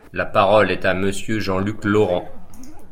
La parole est à Monsieur Jean-Luc Laurent.